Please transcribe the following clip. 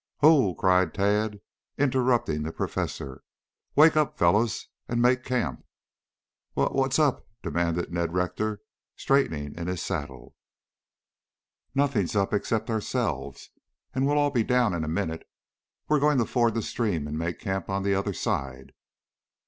"Hoo oo!" cried Tad, interrupting the professor. "Wake up, fellows, and make camp!" "Wha what's up?" demanded Ned Rector, straightening in his saddle. "Nothing's up, except ourselves, and we'll all be down in a minute. We're going to ford the stream and make camp on the other side."